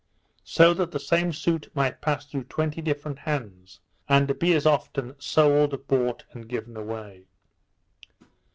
So that the same suit might pass through twenty different hands, and be as often sold, bought, and given away.